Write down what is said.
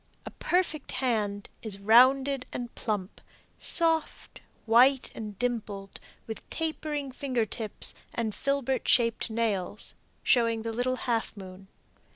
A perfect hand is rounded and plump, soft, white and dimpled, with tapering finger tips and filbert shaped nails, snowing the little half moon.